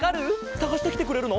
さがしてきてくれるの？